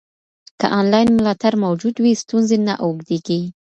که انلاین ملاتړ موجود وي، ستونزې نه اوږدېږي.